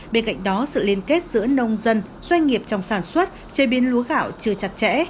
bên cạnh đó sự liên kết giữa nông dân doanh nghiệp trong sản xuất chế biến lúa gạo chưa chặt chẽ